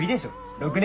６年？